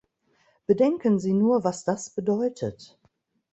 Bedenken Sie nur, was das bedeutet.